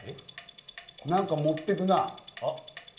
何か持っていくな？